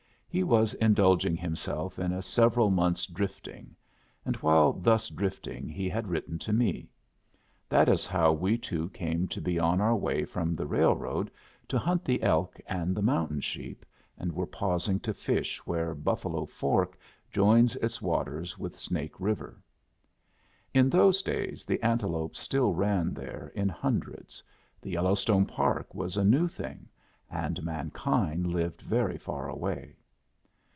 He was indulging himself in a several months' drifting, and while thus drifting he had written to me. That is how we two came to be on our way from the railroad to hunt the elk and the mountain sheep, and were pausing to fish where Buffalo Fork joins its waters with Snake River. In those days the antelope still ran there in hundreds, the Yellowstone Park was a new thing, and mankind lived very far away.